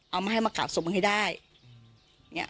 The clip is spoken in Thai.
เอามาให้มากราบศพมึงให้ได้